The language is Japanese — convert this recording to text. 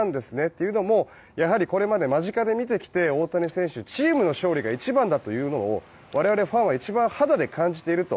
というのも、これまで間近で見てきて大谷選手チームの勝利が一番だというのを我々ファンは肌で感じていると。